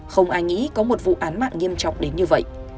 không ai nghĩ có một vụ án mạng nghiêm trọng đến như vậy